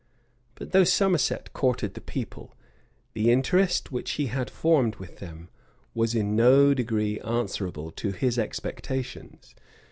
But though Somerset courted the people, the interest which he had formed with them was in no degree answerable to his expectations.